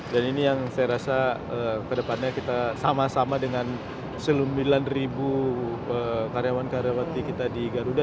dan ini yang saya rasa kedepannya kita sama sama dengan selumilan ribu karyawan karyawati kita di garuda